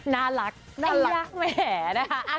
น่ารักไอ้ยักษ์แหมนะคะ